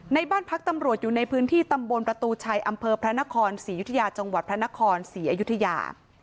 บ้านพักตำรวจอยู่ในพื้นที่ตำบลประตูชัยอำเภอพระนครศรียุธยาจังหวัดพระนครศรีอยุธยา